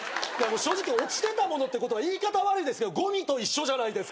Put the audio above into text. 落ちてたものってことは言い方悪いですけどごみと一緒じゃないですか。